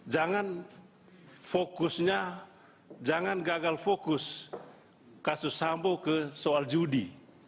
jangan fokusnya jangan gagal fokus kasus sambo ke soal judi